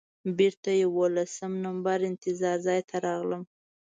بېرته دولسم نمبر انتظار ځای ته راغلم.